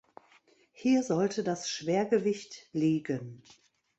Hier sollte das Schwergewicht liegen.